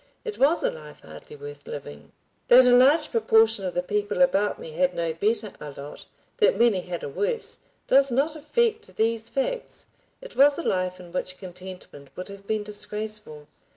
It was a life hardly worth living. That a large proportion of the people about me had no better a lot, that many had a worse, does not affect these facts. It was a life in which contentment would have been disgraceful.